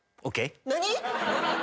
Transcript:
何？